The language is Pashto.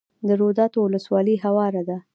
د روداتو ولسوالۍ هواره ده